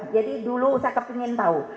jadi dulu saya ingin tahu